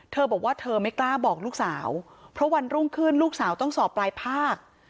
เธอบอกว่าเธอไม่กล้าบอกลูกสาวเพราะวันรุ่งขึ้นลูกสาวต้องสอบปลายภาค